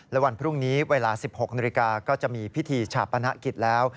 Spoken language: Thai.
ระหว่างพรุ่งนี้เวลา๑๖นก็จะมีพิธีฉาปนักกิจแล้ว